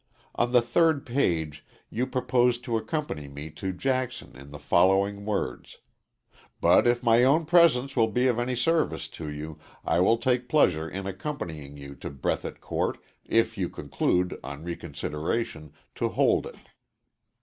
On the third page you proposed to accompany me to Jackson in the following words: "But if my own presence will be of any service to you, I will take pleasure in accompanying you to Breathitt court, if you conclude, on reconsideration, to hold it."